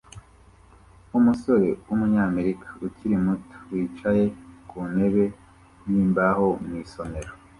Umusore w'umunyamerika ukiri muto wicaye ku ntebe yimbaho mu isomero